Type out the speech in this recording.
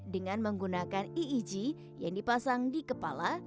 dengan menggunakan eig yang dipasang di kepala